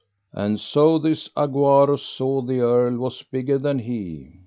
And so this Aguarus saw the earl was bigger than he.